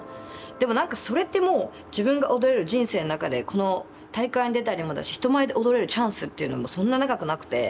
でも何かそれってもう自分が踊れる人生の中でこの大会に出たりもだし人前で踊れるチャンスっていうのもそんな長くなくて。